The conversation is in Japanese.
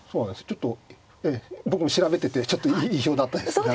ちょっと僕も調べててちょっと意表だったんですが。